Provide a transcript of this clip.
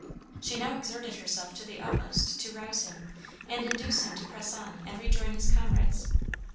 She now exerted herself to the utmost to rouse him, and induce him to press on and rejoin his comrades.